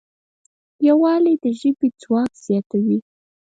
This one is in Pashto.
یووالی د ژبې ځواک زیاتوي.